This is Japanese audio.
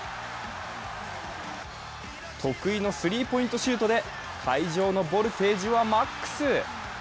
得意のスリーポイントシュートで会場のボルテージはマックス！